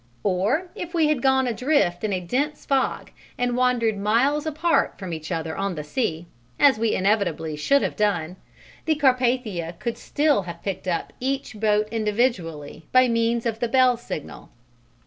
Or if we had gone adrift in a dense fog and wandered miles apart from each other on the sea (as we inevitably should have done), the Carpathia could still have picked up each boat individually by means of the bell signal.